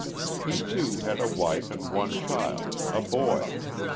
He, too, had a wife, and one child a boy.